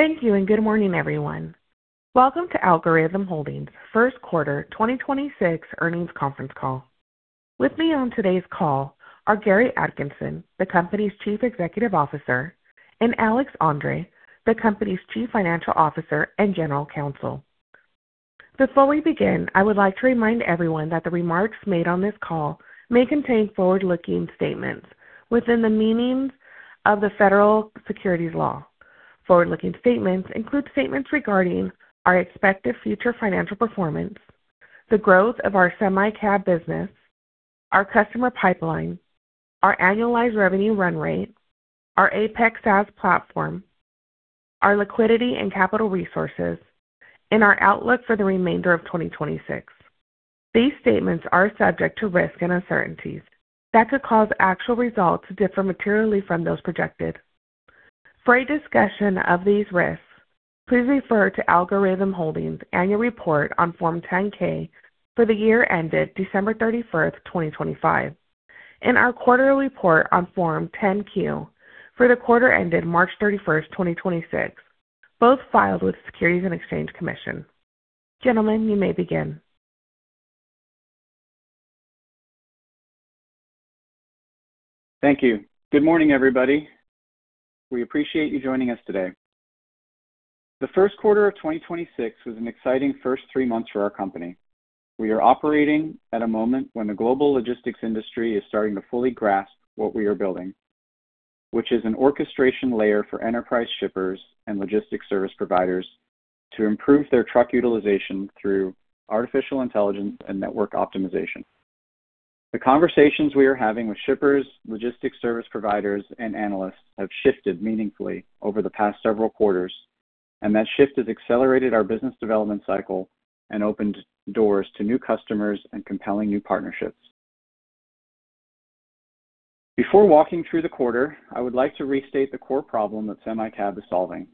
Thank you, and good morning, everyone. Welcome to Algorhythm Holdings' first quarter 2026 earnings conference call. With me on today's call are Gary Atkinson, the company's Chief Executive Officer, and Alex Andre, the company's Chief Financial Officer and General Counsel. Before we begin, I would like to remind everyone that the remarks made on this call may contain forward-looking statements within the meanings of the Federal Securities Law. Forward-looking statements include statements regarding our expected future financial performance, the growth of our SemiCab business, our customer pipeline, our annualized revenue run rate, our Apex SaaS platform, our liquidity and capital resources, and our outlook for the remainder of 2026. These statements are subject to risks and uncertainties that could cause actual results to differ materially from those projected. For a discussion of these risks, please refer to Algorhythm Holdings' annual report on Form 10-K for the year ended December 31st, 2025, and our quarterly report on Form 10-Q for the quarter ended March 31st, 2026, both filed with the Securities and Exchange Commission. Gentlemen, you may begin. Thank you. Good morning, everybody. We appreciate you joining us today. The first quarter of 2026 was an exciting first three months for our company. We are operating at a moment when the global logistics industry is starting to fully grasp what we are building, which is an orchestration layer for enterprise shippers and logistics service providers to improve their truck utilization through artificial intelligence and network optimization. The conversations we are having with shippers, logistics service providers, and analysts have shifted meaningfully over the past several quarters. That shift has accelerated our business development cycle and opened doors to new customers and compelling new partnerships. Before walking through the quarter, I would like to restate the core problem that SemiCab is solving.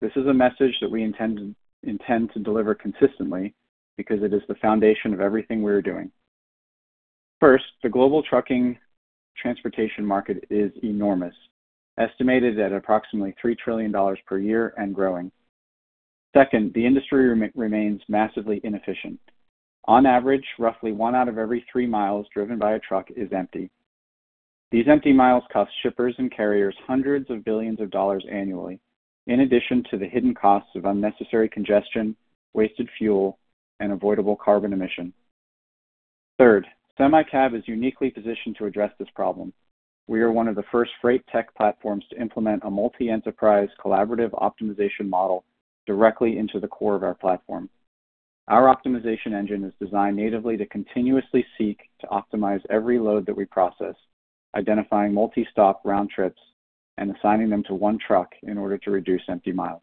This is a message that we intend to deliver consistently because it is the foundation of everything we are doing. First, the global trucking transportation market is enormous, estimated at approximately $3 trillion per year and growing. Second, the industry remains massively inefficient. On average, roughly one out of every three miles driven by a truck is empty. These empty miles cost shippers and carriers hundreds of billions of dollars annually, in addition to the hidden costs of unnecessary congestion, wasted fuel, and avoidable carbon emissions. Third, SemiCab is uniquely positioned to address this problem. We are one of the first freight tech platforms to implement a multi-enterprise collaborative optimization model directly into the core of our platform. Our optimization engine is designed natively to continuously seek to optimize every load that we process, identifying multi-stop round trips and assigning them to one truck in order to reduce empty miles.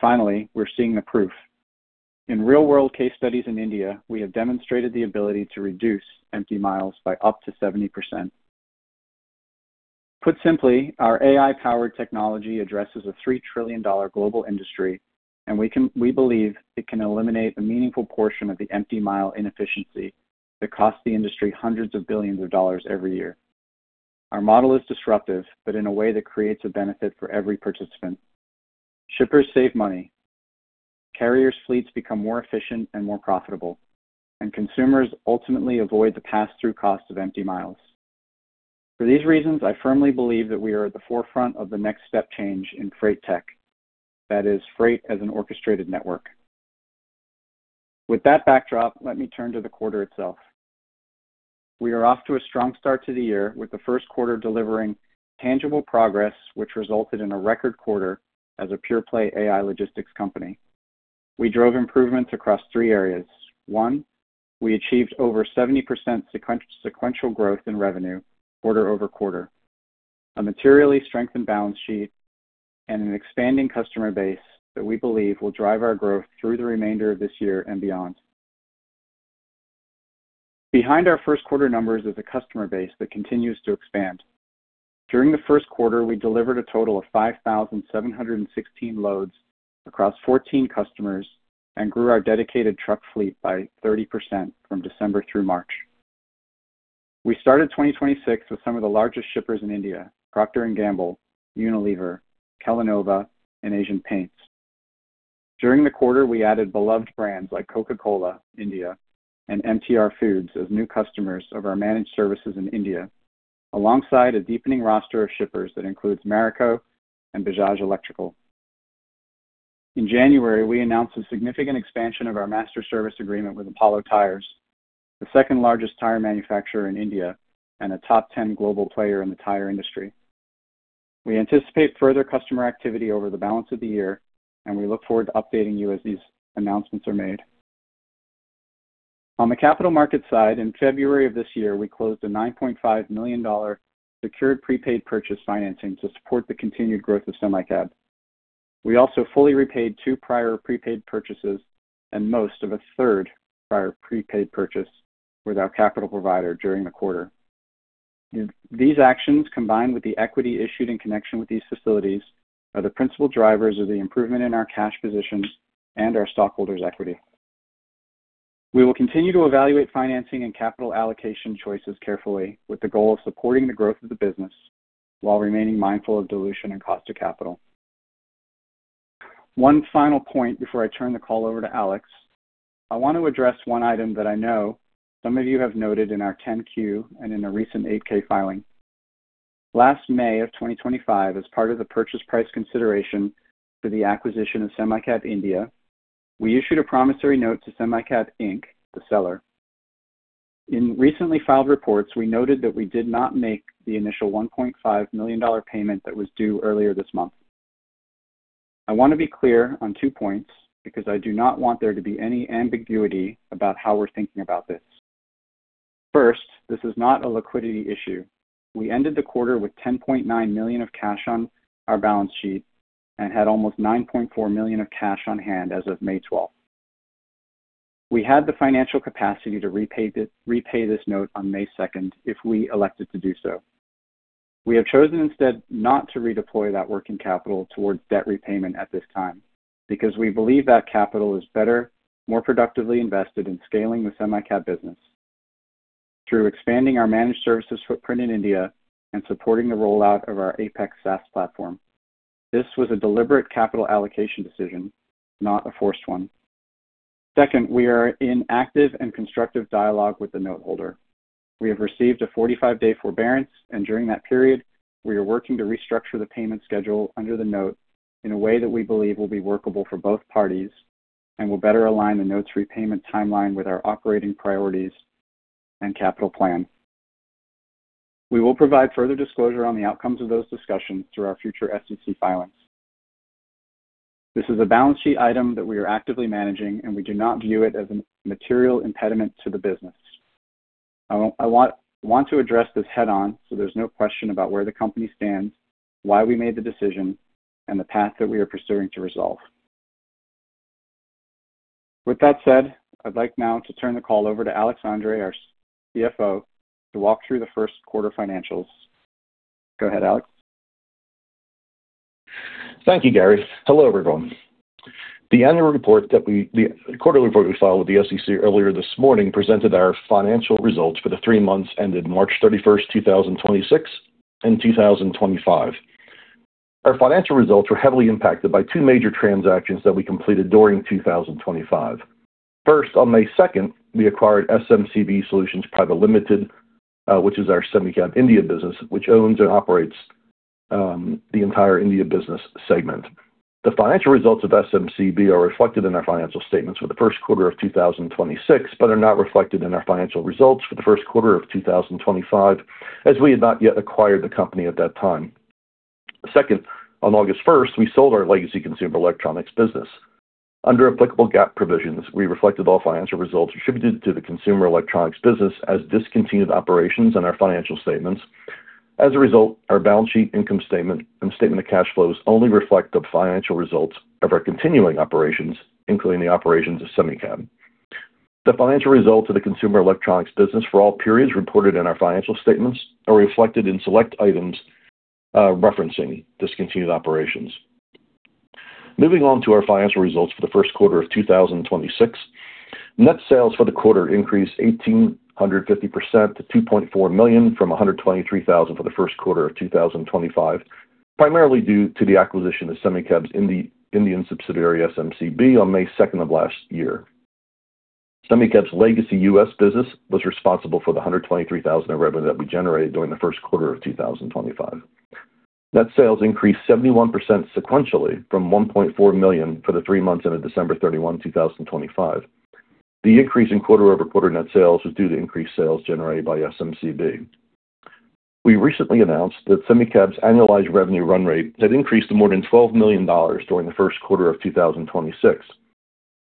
Finally, we're seeing the proof. In real-world case studies in India, we have demonstrated the ability to reduce empty miles by up to 70%. Put simply, our AI-powered technology addresses a $3 trillion global industry, we believe it can eliminate a meaningful portion of the empty mile inefficiency that costs the industry hundreds of billions of dollars every year. Our model is disruptive, in a way that creates a benefit for every participant. Shippers save money, carrier fleets become more efficient and more profitable, consumers ultimately avoid the pass-through cost of empty miles. For these reasons, I firmly believe that we are at the forefront of the next step change in freight tech. That is freight as an orchestrated network. With that backdrop, let me turn to the quarter itself. We are off to a strong start to the year with the first quarter delivering tangible progress, which resulted in a record quarter as a pure-play AI logistics company. We drove improvements across three areas. One, we achieved over 70% sequential growth in revenue quarter-over-quarter, a materially strengthened balance sheet, and an expanding customer base that we believe will drive our growth through the remainder of this year and beyond. Behind our first quarter numbers is a customer base that continues to expand. During the first quarter, we delivered a total of 5,716 loads across 14 customers and grew our dedicated truck fleet by 30% from December through March. We started 2026 with some of the largest shippers in India, Procter & Gamble, Unilever, Kellanova, and Asian Paints. During the quarter, we added beloved brands like Coca-Cola India and MTR Foods as new customers of our managed services in India, alongside a deepening roster of shippers that includes Marico and Bajaj Electricals. In January, we announced a significant expansion of our master service agreement with Apollo Tyres, the second-largest tire manufacturer in India and a top 10 global player in the tire industry. We anticipate further customer activity over the balance of the year, and we look forward to updating you as these announcements are made. On the capital market side, in February of this year, we closed a $9.5 million secured prepaid purchase financing to support the continued growth of SemiCab. We also fully repaid two prior prepaid purchases and most of a third prior prepaid purchase with our capital provider during the quarter. These actions, combined with the equity issued in connection with these facilities, are the principal drivers of the improvement in our cash positions and our stockholders' equity. We will continue to evaluate financing and capital allocation choices carefully, with the goal of supporting the growth of the business while remaining mindful of dilution and cost of capital. One final point before I turn the call over to Alex. I want to address one item that I know some of you have noted in our 10-Q and in a recent 8-K filing. Last May of 2025, as part of the purchase price consideration for the acquisition of SemiCab India, we issued a promissory note to SemiCab, Inc., the seller. In recently filed reports, we noted that we did not make the initial $1.5 million payment that was due earlier this month. I want to be clear on two points, because I do not want there to be any ambiguity about how we're thinking about this. First, this is not a liquidity issue. We ended the quarter with $10.9 million of cash on our balance sheet and had almost $9.4 million of cash on hand as of May 12th. We had the financial capacity to repay this note on May 2nd if we elected to do so. We have chosen instead not to redeploy that working capital towards debt repayment at this time because we believe that capital is better, more productively invested in scaling the SemiCab business through expanding our managed services footprint in India and supporting the rollout of our Apex SaaS platform. This was a deliberate capital allocation decision, not a forced one. Second, we are in active and constructive dialogue with the note holder. We have received a 45-day forbearance, and during that period we are working to restructure the payment schedule under the note in a way that we believe will be workable for both parties and will better align the notes repayment timeline with our operating priorities and capital plan. We will provide further disclosure on the outcomes of those discussions through our future SEC filings. This is a balance sheet item that we are actively managing and we do not view it as a material impediment to the business. I want to address this head on so there's no question about where the company stands, why we made the decision, and the path that we are pursuing to resolve. With that said, I'd like now to turn the call over to Alex Andre, our CFO, to walk through the first quarter financials. Go ahead, Alex. Thank you, Gary. Hello, everyone. The quarterly report we filed with the SEC earlier this morning presented our financial results for the three months ended March 31st, 2026 and 2025. Our financial results were heavily impacted by two major transactions that we completed during 2025. On May 2nd, we acquired SMCB Solutions Private Limited, which is our SemiCab India business, which owns and operates the entire India business segment. The financial results of SMCB are reflected in our financial statements for the first quarter of 2026, are not reflected in our financial results for the first quarter of 2025, as we had not yet acquired the company at that time. On August 1st, we sold our legacy consumer electronics business. Under applicable GAAP provisions, we reflected all financial results attributed to the consumer electronics business as discontinued operations in our financial statements. As a result, our balance sheet income statement and statement of cash flows only reflect the financial results of our continuing operations, including the operations of SemiCab. The financial results of the consumer electronics business for all periods reported in our financial statements are reflected in select items referencing discontinued operations. Moving on to our financial results for the first quarter of 2026. Net sales for the quarter increased 1,850% to $2.4 million from $123,000 for the first quarter of 2025, primarily due to the acquisition of SemiCab's Indian subsidiary, SMCB, on May 2nd of last year. SemiCab's legacy U.S. business was responsible for $123,000 in revenue that we generated during the first quarter of 2025. Net sales increased 71% sequentially from $1.4 million for the three months ended December 31, 2025. The increase in quarter-over-quarter net sales was due to increased sales generated by SMCB. We recently announced that SemiCab's annualized revenue run rate had increased to more than $12 million during the first quarter of 2026.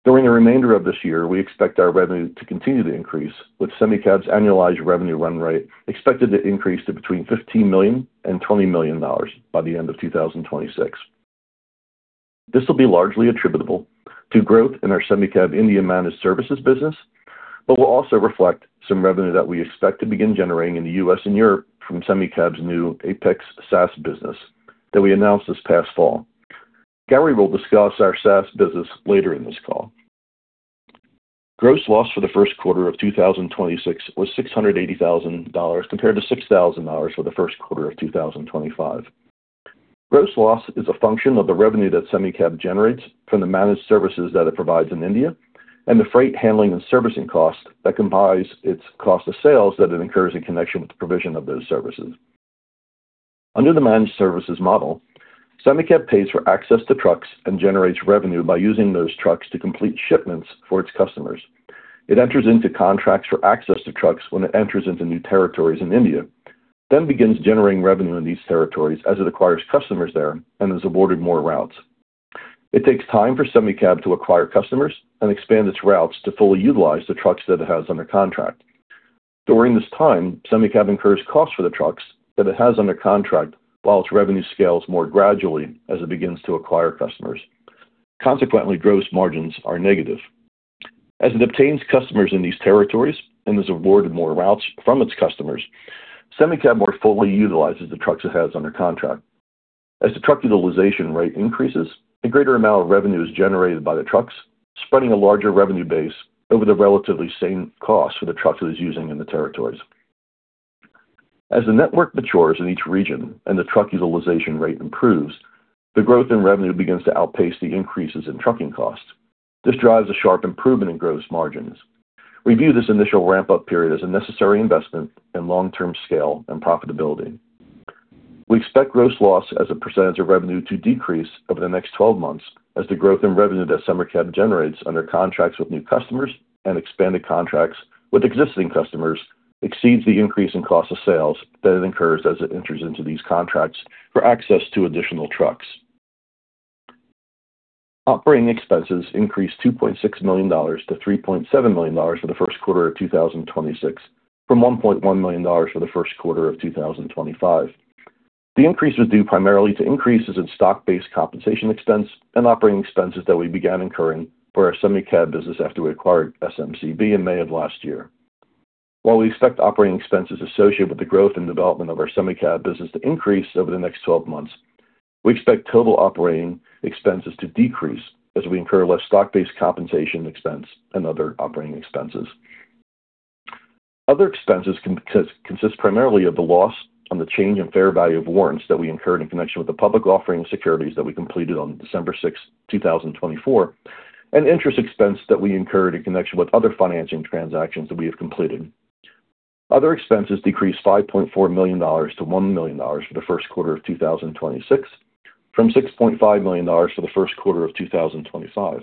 During the remainder of this year, we expect our revenue to continue to increase, with SemiCab's annualized revenue run rate expected to increase to between $15 million and $20 million by the end of 2026. This will be largely attributable to growth in our SemiCab India managed services business, but will also reflect some revenue that we expect to begin generating in the U.S. and Europe from SemiCab's new Apex SaaS business that we announced this past fall. Gary will discuss our SaaS business later in this call. Gross loss for the first quarter of 2026 was $680,000, compared to $6,000 for the first quarter of 2025. Gross loss is a function of the revenue that SemiCab generates from the managed services that it provides in India, and the freight handling and servicing costs that comprise its cost of sales that it incurs in connection with the provision of those services. Under the managed services model, SemiCab pays for access to trucks and generates revenue by using those trucks to complete shipments for its customers. It enters into contracts for access to trucks when it enters into new territories in India, then begins generating revenue in these territories as it acquires customers there and is awarded more routes. It takes time for SemiCab to acquire customers and expand its routes to fully utilize the trucks that it has under contract. During this time, SemiCab incurs costs for the trucks that it has under contract while its revenue scales more gradually as it begins to acquire customers. Consequently, gross margins are negative. As it obtains customers in these territories and is awarded more routes from its customers, SemiCab more fully utilizes the trucks it has under contract. As the truck utilization rate increases, the greater amount of revenue is generated by the trucks, spreading a larger revenue base over the relatively same cost for the trucks it is using in the territories. As the network matures in each region and the truck utilization rate improves, the growth in revenue begins to outpace the increases in trucking costs. This drives a sharp improvement in gross margins. We view this initial ramp-up period as a necessary investment in long-term scale and profitability. We expect gross loss as a percentage of revenue to decrease over the next 12 months as the growth in revenue that SemiCab generates under contracts with new customers and expanded contracts with existing customers exceeds the increase in cost of sales that it incurs as it enters into these contracts for access to additional trucks. Operating expenses increased $2.6 million to $3.7 million for the first quarter of 2026, from $1.1 million for the first quarter of 2025. The increase was due primarily to increases in stock-based compensation expense and operating expenses that we began incurring for our SemiCab business after we acquired SMCB in May of last year. While we expect operating expenses associated with the growth and development of our SemiCab business to increase over the next 12 months, we expect total operating expenses to decrease as we incur less stock-based compensation expense and other operating expenses. Other expenses consist primarily of the loss on the change in fair value of warrants that we incurred in connection with the public offering of securities that we completed on December 6th, 2024, and interest expense that we incurred in connection with other financing transactions that we have completed. Other expenses decreased $5.4 million to $1 million for the first quarter of 2026, from $6.5 million for the first quarter of 2025.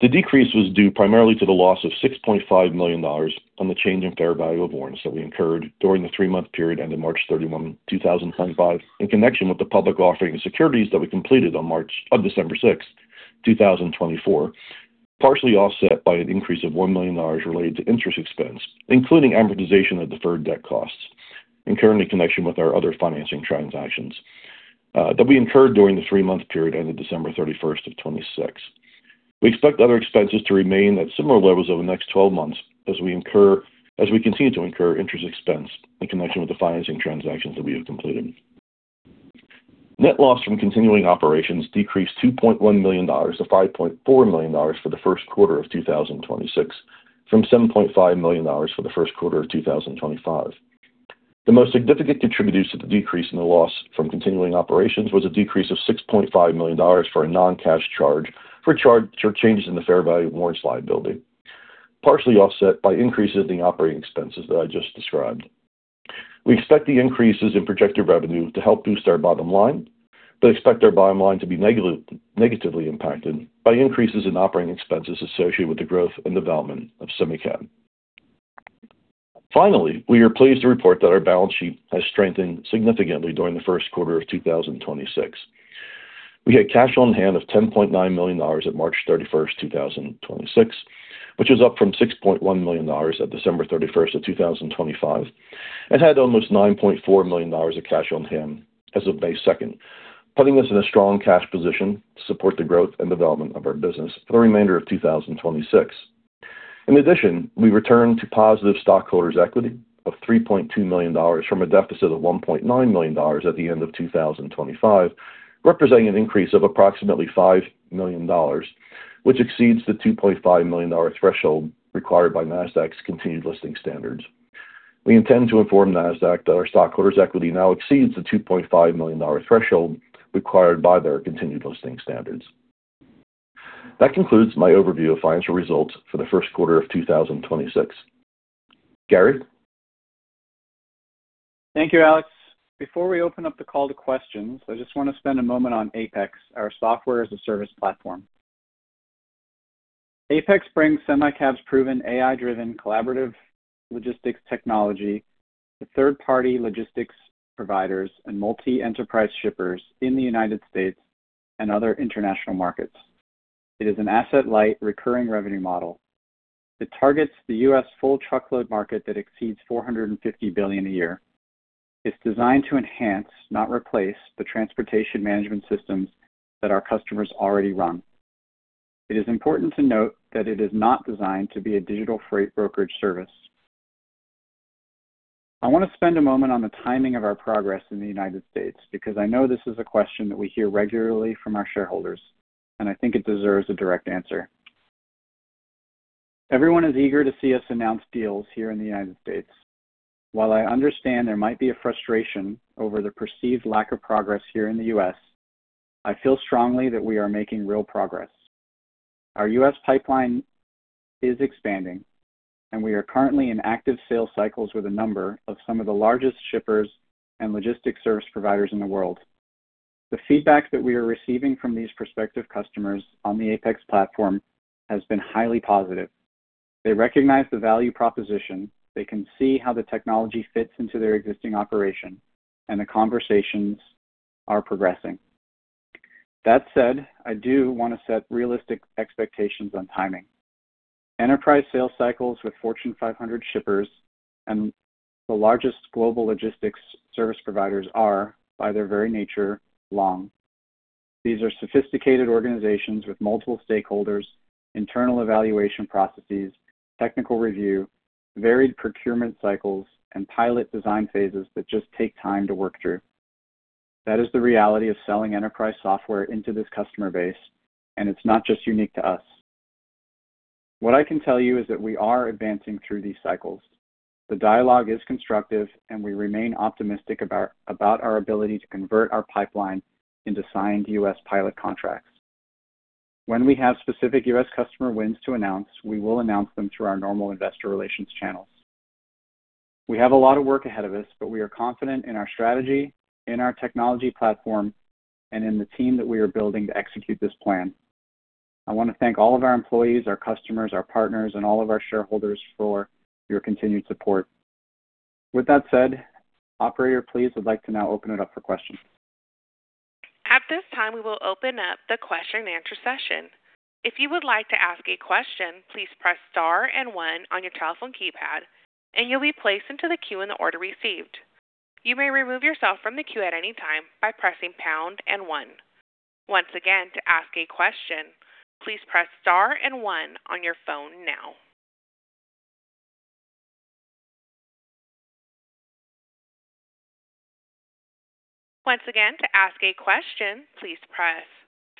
The decrease was due primarily to the loss of $6.5 million on the change in fair value of warrants that we incurred during the three-month period ending March 31, 2025, in connection with the public offering of securities that we completed on December 6, 2024, partially offset by an increase of $1 million related to interest expense, including amortization of deferred debt costs incurred in connection with our other financing transactions, that we incurred during the three-month period ending December 31st, 2026. We expect other expenses to remain at similar levels over the next 12 months as we continue to incur interest expense in connection with the financing transactions that we have completed. Net loss from continuing operations decreased $2.1 million to $5.4 million for the first quarter of 2026, from $7.5 million for the first quarter of 2025. The most significant contributor to the decrease in the loss from continuing operations was a decrease of $6.5 million for a non-cash charge for changes in the fair value of warrants liability, partially offset by increases in operating expenses that I just described. We expect the increases in projected revenue to help boost our bottom line, but expect our bottom line to be negatively impacted by increases in operating expenses associated with the growth and development of SemiCab. Finally, we are pleased to report that our balance sheet has strengthened significantly during the first quarter of 2026. We had cash on hand of $10.9 million at March 31st, 2026, which is up from $6.1 million at December 31st, 2025. Had almost $9.4 million of cash on hand as of May 2nd, putting us in a strong cash position to support the growth and development of our business for the remainder of 2026. In addition, we returned to positive stockholders' equity of $3.2 million from a deficit of $1.9 million at the end of 2025, representing an increase of approximately $5 million, which exceeds the $2.5 million threshold required by Nasdaq's continued listing standards. We intend to inform Nasdaq that our stockholders' equity now exceeds the $2.5 million threshold required by their continued listing standards. That concludes my overview of financial results for the first quarter of 2026. Gary? Thank you, Alex. Before we open up the call to questions, I just wanna spend a moment on Apex, our software-as-a-service platform. Apex brings SemiCab's proven AI-driven collaborative logistics technology to third-party logistics providers and multi-enterprise shippers in the U.S. and other international markets. It is an asset-light recurring revenue model. It targets the U.S. full truckload market that exceeds $450 billion a year. It's designed to enhance, not replace, the transportation management systems that our customers already run. It is important to note that it is not designed to be a digital freight brokerage service. I wanna spend a moment on the timing of our progress in the U.S. because I know this is a question that we hear regularly from our shareholders, and I think it deserves a direct answer. Everyone is eager to see us announce deals here in the U.S. While I understand there might be a frustration over the perceived lack of progress here in the U.S., I feel strongly that we are making real progress. Our U.S. pipeline is expanding, and we are currently in active sales cycles with a number of some of the largest shippers and logistics service providers in the world. The feedback that we are receiving from these prospective customers on the Apex platform has been highly positive. They recognize the value proposition, they can see how the technology fits into their existing operation, and the conversations are progressing. That said, I do wanna set realistic expectations on timing. Enterprise sales cycles with Fortune 500 shippers and the largest global logistics service providers are, by their very nature, long. These are sophisticated organizations with multiple stakeholders, internal evaluation processes, technical review, varied procurement cycles, and pilot design phases that just take time to work through. That is the reality of selling enterprise software into this customer base. It's not just unique to us. What I can tell you is that we are advancing through these cycles. The dialogue is constructive. We remain optimistic about our ability to convert our pipeline into signed U.S. pilot contracts. When we have specific U.S. customer wins to announce, we will announce them through our normal investor relations channels. We have a lot of work ahead of us. We are confident in our strategy, in our technology platform, and in the team that we are building to execute this plan. I wanna thank all of our employees, our customers, our partners, and all of our shareholders for your continued support. With that said, operator, please, I'd like to now open it up for questions. At this time, we will open up the question and answer session. If you would like to ask a question, please press star and one on your telephone keypad, and you'll be placed into the queue in the order received. You may remove yourself from the queue at any time by pressing pound and one. Once again, to ask a question, please press star and one on your phone now. Once again, to ask a question, please press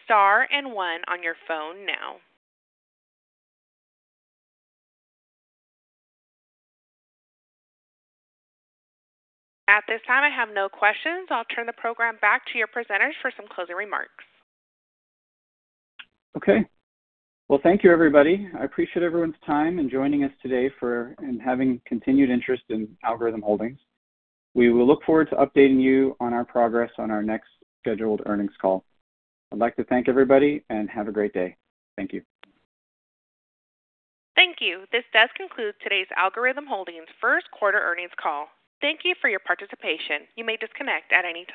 star and one on your phone now. At this time, I have no questions. I'll turn the program back to your presenters for some closing remarks. Okay. Well, thank you, everybody. I appreciate everyone's time in joining us today and having continued interest in Algorhythm Holdings. We will look forward to updating you on our progress on our next scheduled earnings call. I'd like to thank everybody, and have a great day. Thank you. Thank you. This does conclude today's Algorhythm Holdings first quarter earnings call. Thank you for your participation. You may disconnect at any time.